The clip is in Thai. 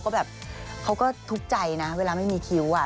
ก็แบบเขาก็ทุกข์ใจนะเวลาไม่มีคิ้ว